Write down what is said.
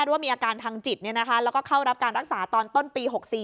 ว่ามีอาการทางจิตแล้วก็เข้ารับการรักษาตอนต้นปี๖๔